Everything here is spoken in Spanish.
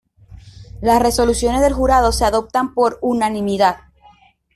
Las resoluciones del jurado se adoptan por unanimidad.